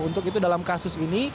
untuk itu dalam kasus ini